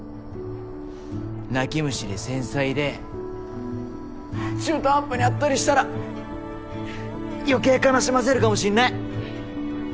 泣き虫で繊細で中途半端に会ったりしたら余計悲しませるかもしんない。